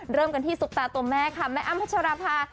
เริ่มกันที่ซุปตาตัวแม่ค่ะแม่อ้ำพัชราภา